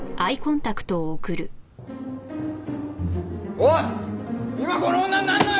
おい！